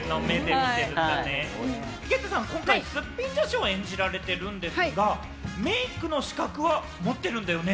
井桁さん、今回すっぴん女子を演じられてるんですが、メイクの資格を持ってるんだよね？